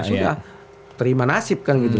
sudah terima nasib kan gitu